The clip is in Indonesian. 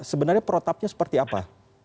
sebenarnya protapnya seperti apa